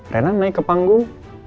rena naik ke panggung